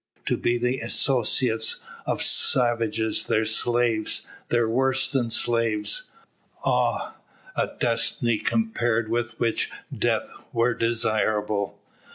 To be the associates of savages, their slaves, their worse than slaves ah! a destiny compared with which death were desirable.